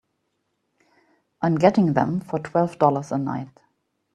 I'm getting them for twelve dollars a night.